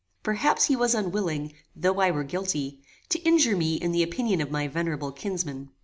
Perhaps he was unwilling, though I were guilty, to injure me in the opinion of my venerable kinsman.